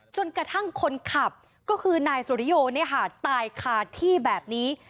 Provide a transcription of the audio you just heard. จนกระทั่งคนขับก็คือนายสุริโยตายคาที่แบบนี้